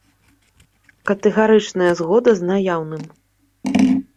Катэгарычная згода з наяўным.